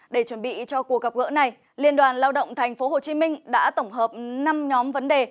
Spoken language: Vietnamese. để chuẩn bị cho cuộc gặp gỡ này liên đoàn lao động tp hcm đã tổng hợp năm nhóm vấn đề